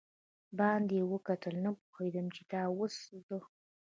باندې وکتل، نه پوهېدم چې دا اوس زه.